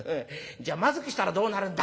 『じゃあまずくしたらどうなるんだ？』